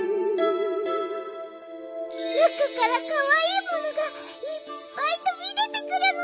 なかからかわいいものがいっぱいとびでてくるの！